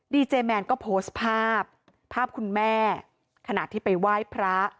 ดีเจแมนก็โพสต์ภาพภาพคุณแม่ขณะที่ไปไหว้พระ